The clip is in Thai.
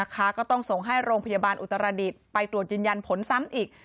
ก็ต้องส่งให้โรงพยาบาลอุตรดิษฐ์ไปตรวจยืนยันผลซ้ำอีก